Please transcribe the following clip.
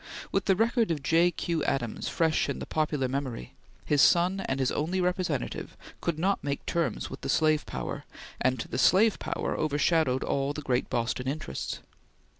With the record of J. Q. Adams fresh in the popular memory, his son and his only representative could not make terms with the slave power, and the slave power overshadowed all the great Boston interests.